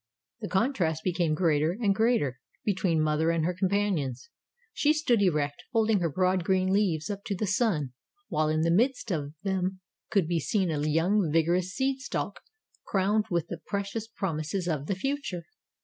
The contrast became greater and greater between mother and her companions. She stood erect, holding her broad green leaves up to the sun, while in the midst of them could be seen a young, vigorous seed stalk crowned with the precious promises of the future.